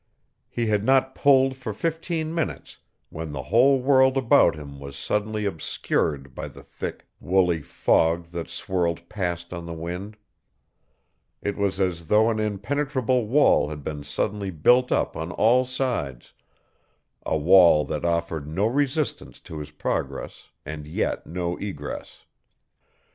He had not pulled for fifteen minutes when the whole world about him was suddenly obscured by the thick, woolly fog that swirled past on the wind. It was as though an impenetrable wall had been suddenly built up on all sides, a wall that offered no resistance to his progress and yet no egress.